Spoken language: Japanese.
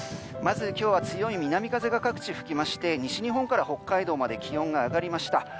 まず今日は強い南風が各地に吹きまして西日本から北海道まで気温が上がりました。